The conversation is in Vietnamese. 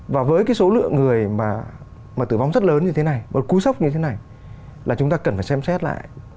và với cái số lượng người mà tử vong rất lớn như thế này một cú sốc như thế này là chúng ta cần phải xem xét lại